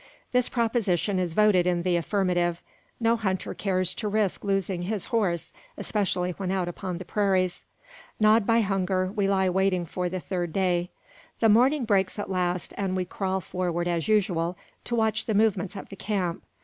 This proposition is voted in the affirmative. No hunter cares to risk losing his horse, especially when out upon the prairies. Gnawed by hunger, we lie waiting for the third day. The morning breaks at last, and we crawl forward as usual, to watch the movements of the camp.